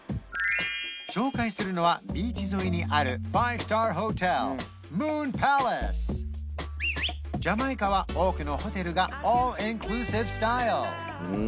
紹介するのはビーチ沿いにあるファイブスターホテルムーンパレスジャマイカは多くのホテルがオールインクルーシブスタイル